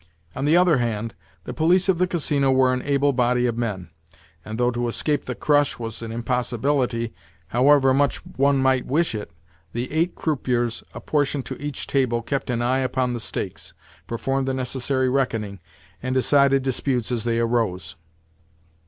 On the other hand, the police of the Casino were an able body of men; and though to escape the crush was an impossibility, however much one might wish it, the eight croupiers apportioned to each table kept an eye upon the stakes, performed the necessary reckoning, and decided disputes as they arose.